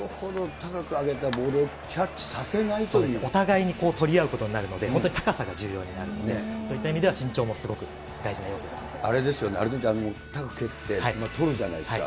高く上げたボールお互いに取り合うことになるので、本当に高さが重要になるので、そういった意味では身長もすあれですよね、アルゼンチン、高く蹴って、とるじゃないですか。